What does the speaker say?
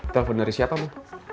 telepon dari siapa bu